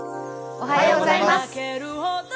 おはようございます。